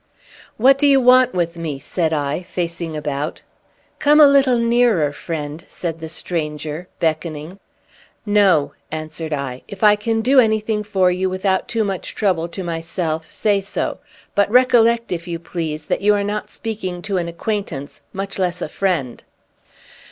"What do you want with me?" said I, facing about. "Come a little nearer, friend," said the stranger, beckoning. "No," answered I. "If I can do anything for you without too much trouble to myself, say so. But recollect, if you please, that you are not speaking to an acquaintance, much less a friend!"